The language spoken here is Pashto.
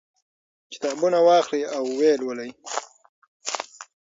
کتابونه واخلئ او ویې لولئ.